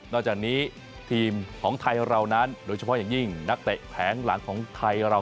จากนี้ทีมของไทยเรานั้นโดยเฉพาะอย่างยิ่งนักเตะแผงหลังของไทยเรา